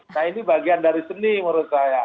nah ini bagian dari seni menurut saya